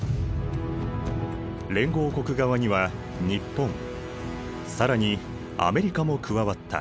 連合国側には日本更にアメリカも加わった。